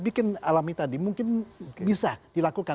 bikin alami tadi mungkin bisa dilakukan